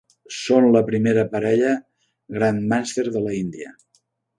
Són la primera parella Grandmaster de l'Índia.